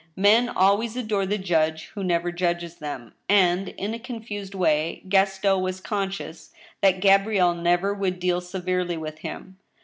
Men always adore the judge who never judges them ; and, in a confused way, Gaston was conscious that Gabrielle never would deal severely with him.